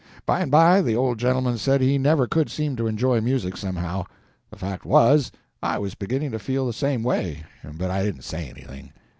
By and by the old gentleman said he never could seem to enjoy music somehow. The fact was, I was beginning to feel the same way; but I didn't say anything.